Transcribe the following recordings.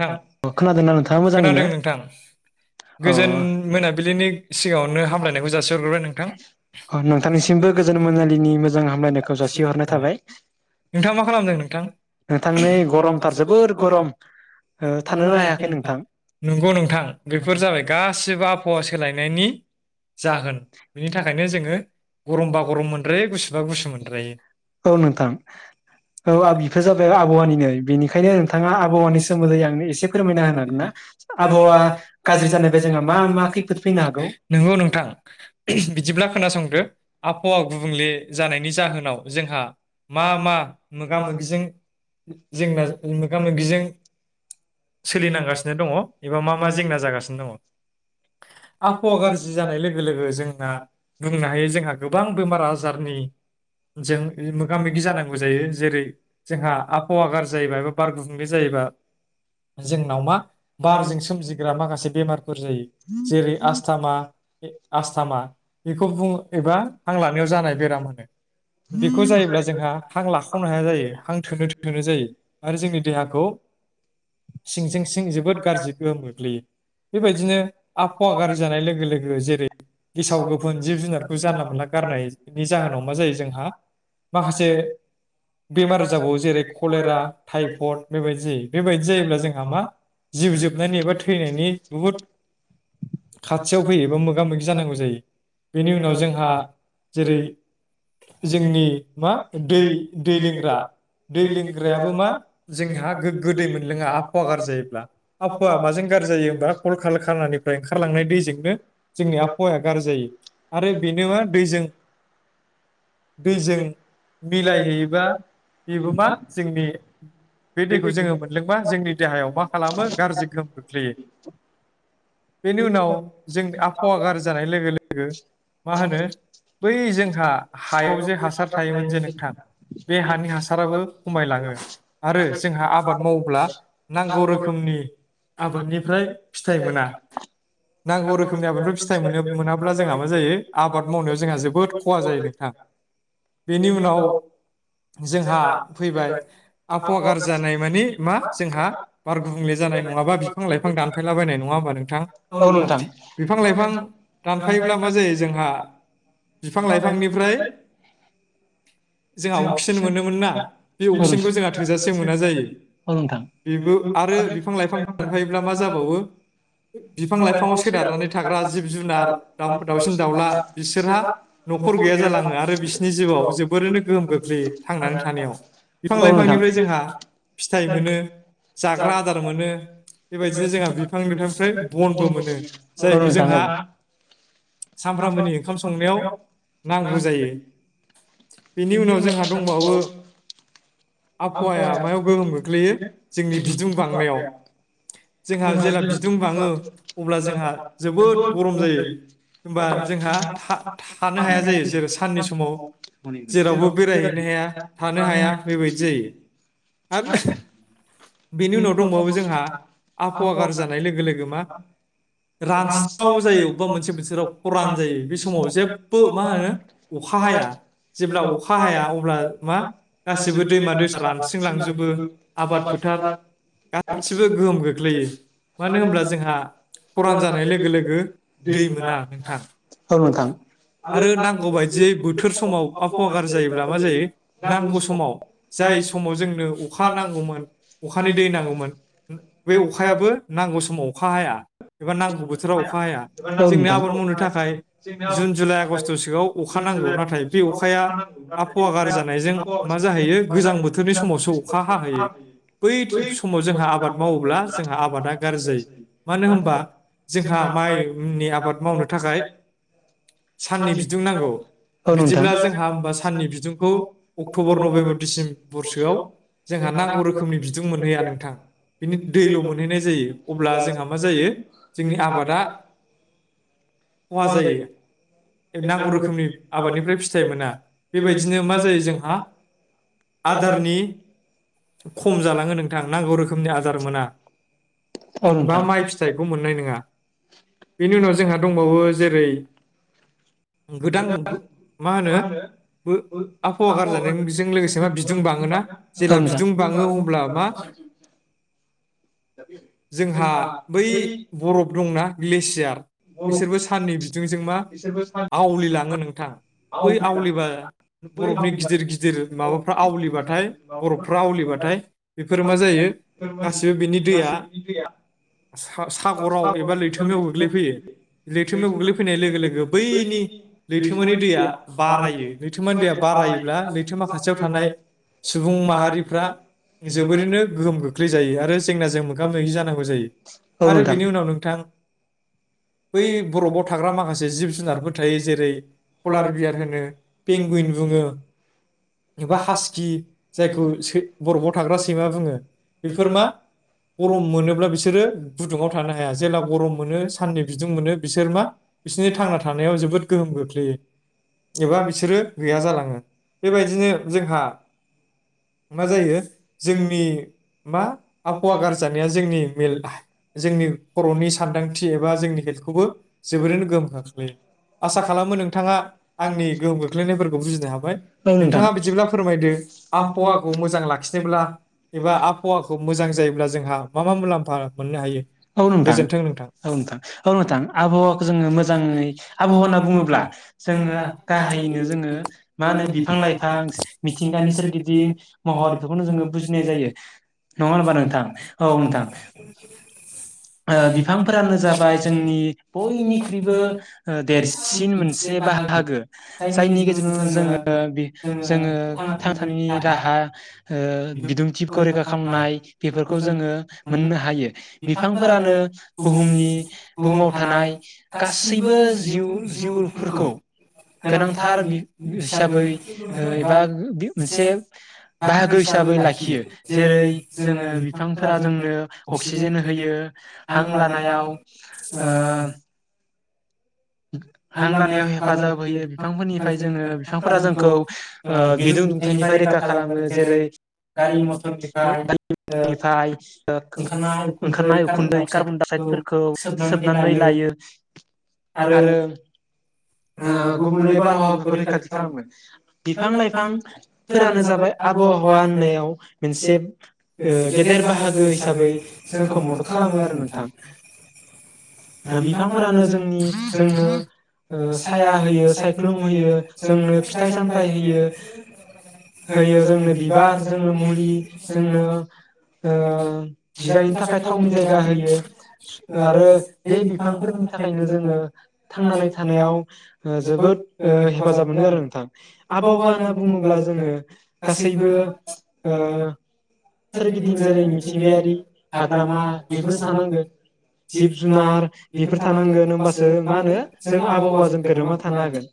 नोंथां खोनादों नोंथां गोजोन मोनाबिलिनि सिगाङावनो हामलायनायखौ जासिहरग्रोबाय नोंथां नोंथाङा मा खालामदों नोंथां थानोनो हायाखै नोंथां औ नोंथां औ आ बिफोर जाबाय आबहावानिनो बेनिखायनो नोंथाङा आबहावानि [unintelligible] नंगौ नोंथां बिदिब्ला खोनासंदो आबहावा गुबुंले जानायनि जाहोनाव जोंहा मा मा मोगा मोगिजों जोंना मोगा मोगिजों सोलिनांगासिनो दङ एबा मा मा जेंना जागासिनो दङ आबहावा गाज्रि जानाय लोगो लोगो जोंना बुंनो हायो जोंहा गोबां बेमार आजारनि जों मोगा मोगि जानांगौ जायो जेरै जोंहा आबहावा गाज्रि जायोबा एबा बारगुंबुंले जायोबा जोंनाव मा बारजों सोमजिग्रा माखासे बेमारफोर जायो आस्थामा आस्थामा बेखौ बुं एबा हां लानायाव जानाय बेराम होनो बेखौ जायोब्ला जोंहा हां लाखवनो हाया जायो हां थोनो थोनो जायो आरो जोंनि देहाखौ सिं सिं सिं जोबोद गाज्रि गोहोम गोग्लैयो बेबायदिनो आबहावा गाज्रि जानाय लोगो लोगो जेरै गेसाव गोफोन जिब जुनारखौ जानला मोनला गारनायनि जाहोनाव मा जायो जोंहा माखासे बेमार जाबावो जेरै कलेरा टाइफइड बेबायदि जायो बेबायदि जायो जोंहा मा जिउ जोबनायनि एबा थैनायनि बुहुद खाथियाव फैयो एबा मोगा मोगि जानांगौ जायो बेनि उनाव जोंहा जेरै जोंनि मा दै दै लोंग्रा दै लोंग्रायाबो मा जोंहा गोग गो दै मोनलों आबहावा गारजि जायोब्ला आबहावाया माजों गाज्रि जायो होमबा कल काल खानानिफ्राय ओंखारलांनाय दैजोंनो जोंनि आबहावाया गाज्रि जायो आरो बेनो मा दैजों दैजों मिलायहैयोबा बेबो मा जोंनि बे दैखौ जोङो मा जोंनि देहायाव मा खालामो गाज्रि गोहोम खोख्लैयो। बेनि उनाव जोंनि आबहावा गाज्रि जानाय लोगो लोगो मा होनो बै जोंहा हायाव जे हासार थायोमोन जे नोंथां बे हानि हासाराबो खमायलाङो आरो जोंहा आबाद मावब्ला नांगौ रोखोमनि आबादनिफ्राय फिथाइ मोना। नांगौ रोखोमनि आबादनिफ्राय फिथाइ मोनो मोनाब्ला जोंहा मा जायो आबाद मावनायाव जोंहा जोबोद ख'हा जायो नोंथां बेनि उनाव जोंहा फैबाय आबहावा गारजि जानाय माने आ जोंहा बार गुबुंले जानाय नङाबा बिफां लाइफां दानफायला बायनाय नङा होमबा नोंथां औ नोंथां बिफां लाइफां दानफायोब्ला मा जायो जोंहा बिफां लाइफांनिफ्राय [inaudible] जोंहा अक्सिजेन मोनोमोन ना बे अक्सिजेनखौ जोंहा थोजासे मोना जायो। बेबो आरो बिफां लाइफां दानफायोब्ला मा जाबावो बिफां लाइफाङाव सोनारनानै थाग्रा जिब जुनार दाम दावउसिन दाउला बिसोरहा न'खर गैया जालाङो आरो बिसोरनि जिउआव जोबोरैनो गोहोम गोग बे थांनानै थानायाव बिफां लाइफांनिफ्राय जोंहा फि फिथाइ मोनो जाग्रा आदार मोनो बेबायदिनो जोंहा बिफां लाइफांनिफाय बनबो मोनो जायखौ जोंहा सामफ्रामबोनि ओंखाम संनायाव नांगौ जायो। बेनि उनाव जोंहा दंबावो आबहावाया मायाव गोहोम गोग बियो जोंनि बिदुं बांनायाव जोंहा जेब्ला बिदुं बाङो अब्ला जोंहा जोबोद गरम जायो ओमबा जोंहा था-थानो हाया जायो जेरै साननि समाव जेरावबो बेरायहैनो हाया थानो हाया बेबायदि जायो। आरो बेनि उनाव दंबावो जोंहा आ हवा गारजि जानाय लोगो मा रानस्राव जायो अब्बा मोनसे बोथोराव ख'रान जायो बे समाव जेबो मा होनो अखा हाया जेब्ला अखा हाया अब्ला मा गासिबो दैमा दैसा रान रानज्रिं लांजोबो आबाद फोथार गसिबो गोहोम गोख्लै मानो होमब्ला जोंहा ख'रान जानाय लोगो लोगो दै मोना नोंथां औ नोंथां आरो नांगौ बायदियै बोथोर समाव आबहावा गाज्रि जायोब्ला मा जायो नांगौ समाव जायस समाव जोंनो अखा नांगौमोन अखानि दै नांगौमोन बे अखायाबो नांगौ स समाव अखा हाया। एबा नांगौ बोथोराव अखा हाया जोंनो आबाद मावनो थाखाय जुन जुलाइ आगस्ट'सोआव अखा नांगौ नाथाय बे अखाया आबहावा गारजि जानायजों मा जाहैयो गोजां बोथ नि समावसो अखा हाहैयो बै समाव जोंहा आबाद मावोब्ला जोंहा आबादा गाज्रि जायो। मानो होमबा जोंहा माइनि आबाद मावनो थाखाय साननि बिदुं नांगौ बिदिब्ला जोंहा होमबा साननि बिदुंखौ अक्ट'बर नभेम्बर डिसिम बरसोआव जोंहा नांगौ रोखोमनि बिदुं मोनहैया नोंथां बिनि दैल' मोनहैनाय जायो अब्ला जोंहा मा जायो जोंनि आबादा खहा जायो नांगौ रोखोमनि आबादनिफ्राय फिथाइ मोना। आदारनि खम जालाङो नोंथां नांगौ रोखोमनि आदार मोना बा माइ फिथाइखौ मोननाय नङा। बेनि उनाव जोंहा दं दंबावो जेरै गोदान मा होनो बो आबहावा गारजानायनि बिजों लोगोसे मा बिदुं बाङोना, जेब्ला बिदुं बाङो अब्ला मा जोंहा बै बर' दंना ग्लेसियार बिसोरबो साननि बिदुंजों मा आवलिलाङो नोंथां। बै आवलिबा बरफनि गिदिर गिदिर माबा बा आवलिबाथाय बरफफ्रा आवलिबाथाय बेफोरो मा जायो गासिबो बिनि दैया सा-सागराव एबा लैथोमायाव गोग्लैफैयो। लैथोयाव गोग्लैफैनाय लोगो लोगो बैनि लैथोमानि दै या बारायो लैथोमानि दैया बारायोब्ला लैथो माखासेयाव दैया थानाय सुबुं माहारिफ्रा जोबोरैनो गोहोम खोख्लै जायो आरो जेंनाजों मोगा मोगि जानांगौ जायो, औ नोंथां, आरो बेनि उनाव नोंथां बै बरफआव थाग्रा माखासे जिब जुनारफोर थायो जेरै कलार बियार होनो, पेंगुइन बुङो। एबा हासकि जायखौ सै बरफआव थाग्रा सैमा बुङो बेफोर मा गरम मोनोब्ला बिसोरो गुदुङाव थानो हाया जेब्ला गरम मोनो सा साननि बिदुं मोनो बिसोर मा बिसोरनि थांना थानायाव जोबोद गोहोम खोख्लैयो एबा बिसोरो गैया जालाङो बेबायदिनो जोंहा मा जायो जोंनि मा आबहावा गारजि जानाया जोंनि मेल जोंनि खर'नि सान्दांथि एबा जोंनि हेल्थखौबो जोबोरैनो गोहोम खोख्लैयो। आसा खालामो नोंथाङा आंनि गोहोम खोख्लैनायफोरखौ बुजिनो हाबाय नोंथाङा बिदिब्ला फोरमायदो आबहावा [unintelligible] औ नोंथां, औ नोंथां, औ नोंथां आबहावाखौ जोङो मोजाङै आबहावा होनना बुङोब्ला जोङो गाहायैनो जोङो मा होनो बिफां लाइफां फां मिथिंगानि सोरगिदिं महर बेफोरखौनो जोङो बुजिनाय जायो नङा होनबा नोंथां? औ नोंथां। ओ बिफांफोरानो जाबाय जोंनि बयनिख्रुइबो ओ देरसिन मोनसे बाहागो जायनि गेजेरजों जोङो जोङो थांना थानायनि राहा ओ बिदुंथिखौ रैखा खालामनाय बेफोरखौ जोङो मोननो हायो फोरानो बुहुमनि बुहुमाव थानाय गासैबो जिउ जिउफोरखौ गोनांथार हिसाबै ओ एबा मोनसे बाहागो हिसाबै लाखियो जेरै जोङो बिफांफोरा जोंनो अक्सिजेन होयो हां लानायाव ओ हां लानायाव हेफाजाब होयो बिफांफोरनिफ्राय जोङो बिफांफोरा जोंखौ ओ बिदुं दुंथाइनिफ्राय रैखा खालामो जेरै [unintelligible] निफ्राय ओ ओंखारनाय उखुन्दै कार्बन डाइक्साइदफोरखौ सोबनानै लायो आरो ओ गुबुनले बारहावाफोरखौ रैखाथि खालामो बिफां लाइफांफोरानो जाबाय आबहावा मोन्नायाव मोनसे ओ गेदेर बाहागो हिसाबै जोंखौ मदद खालामो आरो नोंथां बिफांफोरानो जोंनि जोंनो ओ साया होयो सायख्लुम होयो जोंनो फिथाइ सामथाइ होयो होयो जोंनो बिबार जोंनो मुलि जोंनो ओ जिरायनो थाखाय थावनि जायगा होयो आरो बे बिफांफोरनि थाखायनो जोङो थांनानै थानायाव ओ जोबोद ओ हेफाजाब मोनो आरो नोंथां आबहावा होन्ना बुङोब्ला जोङो गासैबो ओ सोरगिदिं जेरै मिथिं गायारि [unintelligible] जिब जुनार बेफोर थानांगोन हबासो मा होनो जों आबहावाजों गोरोबा थानो हागोन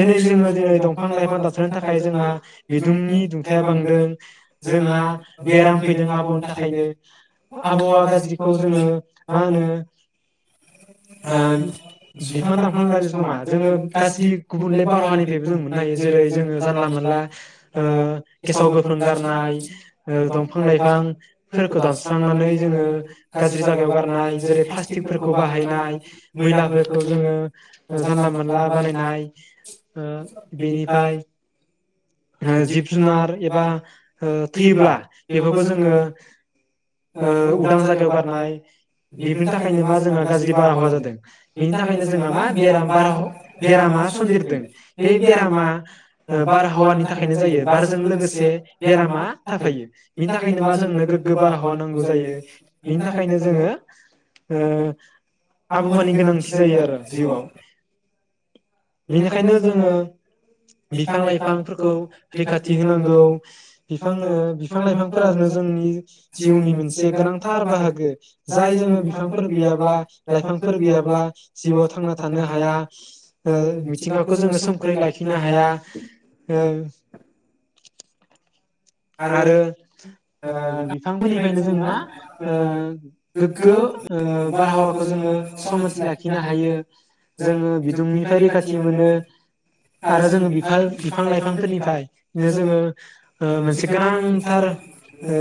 दिनै जोङो दिनै दंफां लाइफां दानस्रांनाय थाखाय जोंहा बिदुंनि दुंथाया बांदों जोंहा बेराम फैदों आब आबहावा गाज्रिखौ जोङो मा होनो ओ बिफां दानफां लानायसो नङा जोङो गाज्रि गुबुनले बारहानिफ्रायबो जों मोन्नो हायो जेरै जोङो जानला मोनला ओ गेसाव गोफोन गारनाय ओ दंफां लाइफां फोरखौ दानस्रांनानै जोङो गाज्रि जायगायाव गारनाय जेरै प्लास्टिकफोरखौ बाहायनाय मैलाफोर खौ जोङो ओ जानला मोनला बानायनाय ओ बेनिफ्राय ओ जिब जुनार एबा ओ थैयोब्ला बेफोरखौ जोङो ओ उदां जायगायाव गारनाय बेफोरनि थाखायनो मा जोंहा गाज्रि बारहावा जादों बेनि थाखायनो जोंहा मा बेरामा बार बेरामा सन्देरदों बे बेरामा ओ बारहावानि थाखायनो जायो बारजों लोगोसे बेरामा थाफायो बेनि थाखायनो मा जों नो गोबार आहावा नांगौ जायो बिनि थाखायनो जोङो ओ आबहावानि गोनां थि जायो आरो जिउआव बिनिखायनो जोङो बिफां लाइफांफोरखौ रैखाथि होनांगौ बिफां ओ बिफां लाइफांफोरानो जोंनि जिउनि मोनसे गोनांथार बाहागो जाय जोङो बिफांफोर गैयाब्ला लाइफांफोर गैयाब्ला जिउआव थांना थानो हाया ओ मिथिंगाखौ जोङो सोमखोरै लाखिनो हाया ओ आरो ओ बिफांफोरनिफ्रायनो जों मा ओ गोग्गो ओ बारहावाखौ जोङो समथि लाखिनो हायो जोङो बिदुंनिफ्राय रैखाथि मोनो आरो जोङो बिफ बिफां लाइफांफोरनिफ्रायनो जोङो ओ मोन से गोनांथार ओ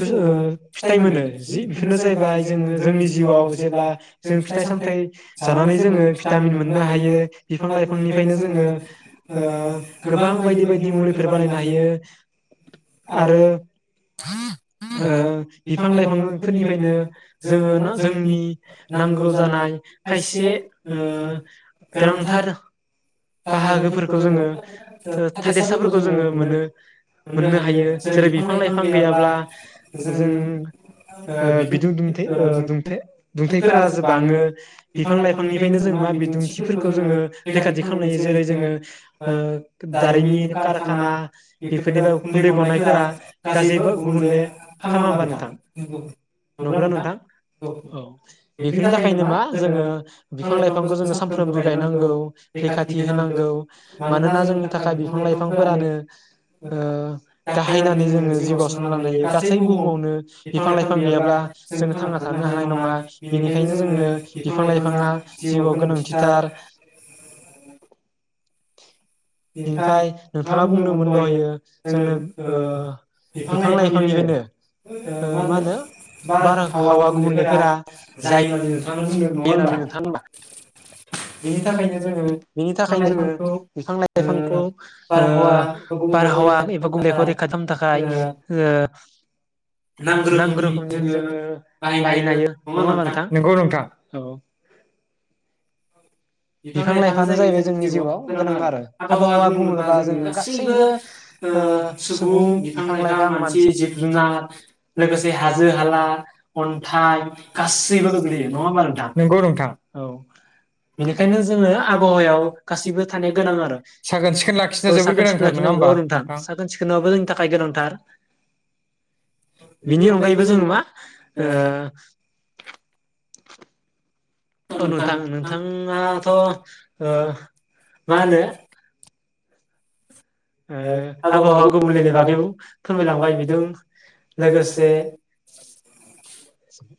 फिथाइ मोनो जि बेफोरनो जाहैबाय जोङो जोंनि जिउआव जेब्ला जों फिथाइ सामथायाइ जानानै जोङो भिटामिन मोन्नो हायो बिफां लाइफांनिफ्रायनो जोङो ओ गोबां बायदि बायदि मुलिफोर बानायनो हायो आरो ओ बिफां-लाइफांफोरनिफ्रायनो जोङो ना जोंनि नांगौ जानाय खायसे ओम गोनांथार बाहागोफोरखौ जोङो थो थादेरसाफोरखौ जोङो मोनो। मोननो हायो जेरै बिफां-लाइफां गैयाब्ला जों बिदुं दुंथाइ दुंथाइफोरा जो बाङो बिफां लाइफांनिफ्रायनो जों मा बिदुंथिफोरखौ जोङो रैखाथि खा [unintelligible] जेरै जोङो ओ दारिमिन कारखाना बेफोरनिफ्राय उखुन्दै गनायफोरा गासैबो गुबुंले खालामा होमबा नोंथां नंगौना नोंथां औ बेफोरनि थाखायनो मा जोङो बिफां लाइफांखौ जोङो सानफ्रोमबो गायनांगौ। रैखाथि होनांगौ मानोना जोंनि थाखाय बिफां लाइफांफोरानो ओ गाहाय होननानै जोङो जिउआव सानना लानो हायो गासै बुहुमावनो बिफां-लाइफां गैयाब्ला जोङो थांना थानो हानाय नङा बेनिखायनो जोंनो बिफां लाइफाङा जिउआव गोनांथिथार। बेनिफ्राय नोंथाङा बुंदोंमोन दहायो जोंनो ओ बिफां लाइफांनिफ्रायनो ओ मा होनो बार हावा गुबुनलेफोरा जायो। बुंदों नङा होनबा बेनि थाखायनो जोङो बिफां लाइफांखौ लाइफांखौ ओ बारहावा एबा गुबुंलेखौ रैखा खालामनो थाखाय ओ [inaudible] नांगौ रोखोमनि जोङो बाहायनो हायो नङा नथा नंगौ नोंथां नंगौ नोंथां। [unintelligible] बिफां लाइफाङानो जाहैबाय जोंनि जिउआव गोनां आरो आबहावा बुङोबोबा जोङो गासैबो ओ सुबुं बिफां-लाइफां, मानसि, जिब-जुनार लोगोसे हाजो-हाला अन्थाइ गासैबो गोग्लैयो नङा होमबा नोंथां नोंगौ नोंथां औ। ओंखायनो जोङो आबहावायाव गासिबो थानाया गोनां आरो साखोन-सिखोन लाखिनांगौ औ साखोन-सिखोन लाखिनांगौ औ नोंथां साखोन सिखोनाबो जोंनि थाखाय गोनांथार बिनि अनगायैबो जों मा ओ अ नोंथां नोंथाङाथ' ओ मा होनो ओ आबहावा गुबुंलेनि बागैबो फोरमायलांबाय बिदों लोगोसे